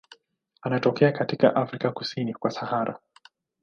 Anatokea katika Afrika kusini kwa Sahara.